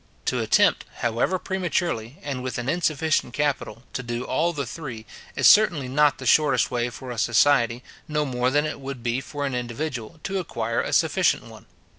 To attempt, however, prematurely, and with an insufficient capital, to do all the three, is certainly not the shortest way for a society, no more than it would be for an individual, to acquire a sufficient one.